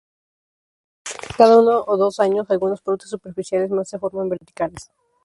Cada uno o dos años, algunos brotes superficiales más se forman verticales.